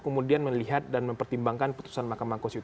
kemudian melihat dan mempertimbangkan putusan mahkamah konstitusi